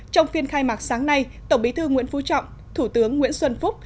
trong phiên khai mạc sáng nay tổng bí thư nguyễn phú trọng thủ tướng nguyễn xuân phúc